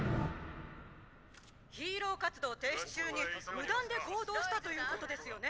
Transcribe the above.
「ヒーロー活動停止中に無断で行動したということですよね！」